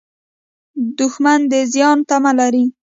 دښمن د زیان تمه لري